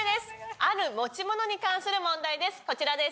ある持ち物に関する問題です。